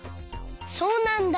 そうなんだ。